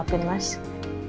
gue lagi anteng ya deh